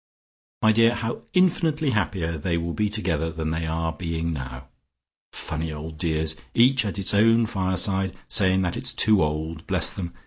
My dear, how infinitely happier they will be together than they are being now. Funny old dears! Each at its own fireside, saying that it's too old, bless them!